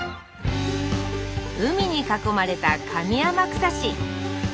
海に囲まれた上天草市。